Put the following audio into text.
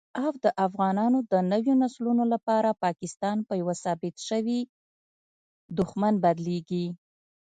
او دافغانانو دنويو نسلونو لپاره پاکستان په يوه ثابت شوي دښمن بدليږي